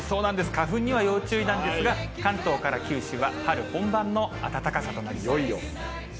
花粉には要注意なんですが、関東から九州は春本番の暖かさとなりそうです。